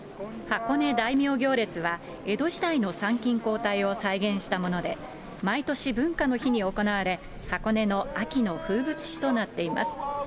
箱根大名行列は、江戸時代の参勤交代を再現したもので、毎年、文化の日に行われ、箱根の秋の風物詩となっています。